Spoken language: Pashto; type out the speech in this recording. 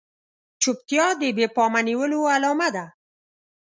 چوپتيا د بې پامه نيولو علامه ده.